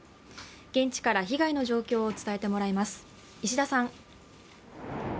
現地から被害の状況を伝えてもらいます。